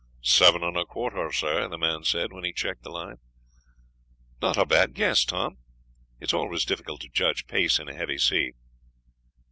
"Seven and a quarter, sir," the man said, when he checked the line. "Not a bad guess, Tom; it's always difficult to judge pace in a heavy sea."